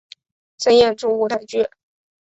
曾演出舞台剧。